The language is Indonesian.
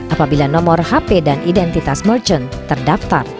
apabila nomor hp dan identitas merchant terdaftar